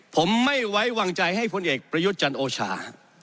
ผมไม่ไว้วางใจให้พลเอกประยุทธ์จันโอชา